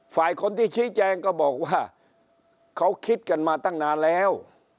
ฝ่ายคนที่ชี้แจงก็บอกว่าเขาคิดกันมาตั้งนานแล้ว